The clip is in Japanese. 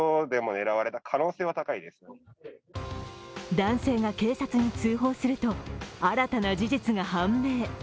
男性が警察に通報すると新たな事実が判明。